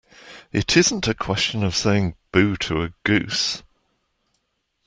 It isn't a question of saying 'boo' to a goose.